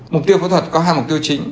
mục tiêu phẫu thuật có hai mục tiêu chính